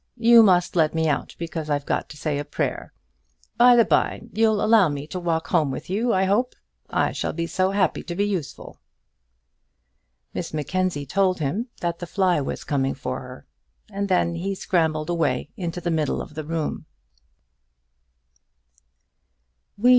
You must let me out, because I've got to say a prayer. By the bye, you'll allow me to walk home with you, I hope. I shall be so happy to be useful." Miss Mackenzie told him that the fly was coming for her, and then he scrambled away into the middle of the room.